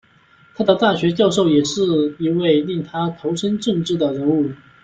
他的大学教授也是一位令他投身政治的人物。